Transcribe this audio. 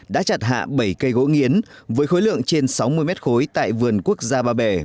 đã chặt hạ bảy cây gỗ nghiến với khối lượng trên sáu mươi mét khối tại vườn quốc gia ba bể